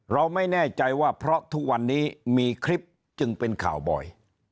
เราไม่แน่ใจว่าเพราะทุกวันนี้มีคลิปจึงเป็นข่าวบ่อย